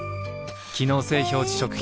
機能性表示食品